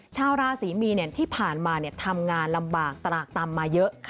ชาวราศรีมีนที่ผ่านมาทำงานลำบากตรากต่ำมาเยอะ